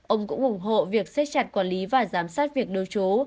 ông cũng ủng hộ việc xếp chặt quản lý và giám sát việc lưu trú